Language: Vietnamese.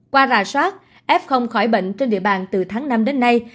qua rà soát f khỏi bệnh trên địa bàn từ tháng năm đến nay